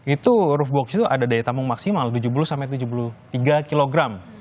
itu roof box itu ada daya tampung maksimal tujuh puluh sampai tujuh puluh tiga kilogram